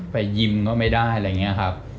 ยิมก็ไม่ได้อะไรอย่างนี้ครับ